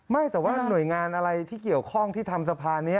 ไม่แต่ว่าหน่วยงานอะไรที่เกี่ยวข้องที่ทำสะพานนี้